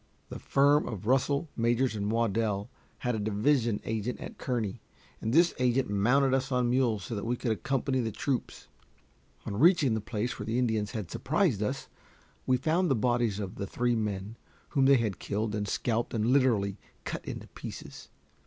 The firm of Russell, Majors & Waddell had a division agent at Kearny, and this agent mounted us on mules so that we could accompany the troops. On reaching the place where the Indians had surprised us, we found the bodies of the three men, whom they had killed and scalped and literally cut into pieces.